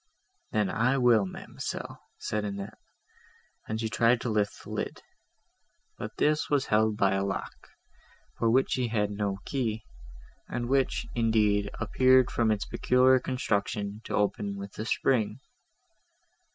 —"Then I will, ma'amselle," said Annette, and she tried to lift the lid; but this was held by a lock, for which she had no key, and which, indeed, appeared, from its peculiar construction, to open with a spring.